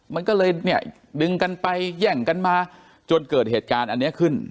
มันก็เลยเนี่ยดึงกันไปแย่งกันมาจนเกิดเหตุการณ์อันนี้ขึ้น